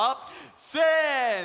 せの！